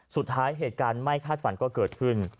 สุดท้ายเหตุการณ์ไหม้คาดฝันก็เกิดขึ้น